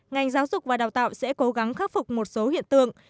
ngành giáo dục và đào tạo sẽ cố gắng khắc phục một số hiện tượng